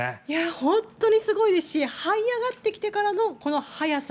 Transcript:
本当にすごいですしはい上がってきてからのこの速さ。